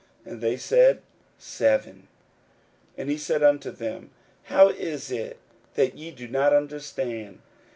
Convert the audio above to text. And they said, Seven. 41:008:021 And he said unto them, How is it that ye do not understand?